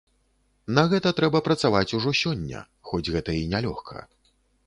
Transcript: На гэта трэба працаваць ужо сёння, хоць гэта і не лёгка.